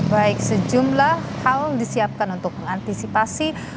baik sejumlah hal disiapkan untuk mengantisipasi